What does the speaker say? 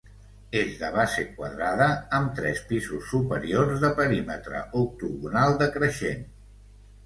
És de base quadrada amb tres pisos superiors de perímetre octogonal decreixent.